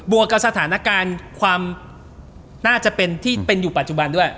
วกกับสถานการณ์ความน่าจะเป็นที่เป็นอยู่ปัจจุบันด้วย